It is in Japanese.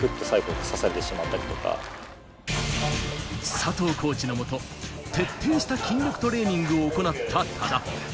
佐藤コーチの元、徹底した筋力トレーニングを行った多田。